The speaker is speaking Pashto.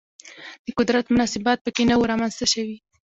د قدرت مناسبات په کې نه وي رامنځته شوي